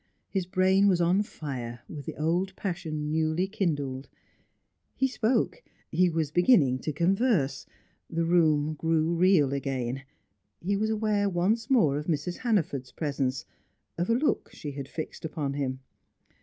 His brain was on fire with the old passion newly kindled. He spoke, he was beginning to converse; the room grew real again; he was aware once more of Mrs. Hannaford's presence, of a look she had fixed upon him.